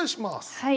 はい。